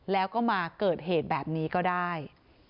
แล้วก็มาเกิดเหตุแบบนี้ก็ได้